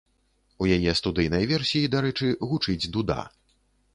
У яе студыйнай версіі, дарэчы, гучыць дуда.